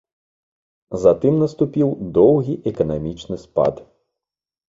Затым наступіў доўгі эканамічны спад.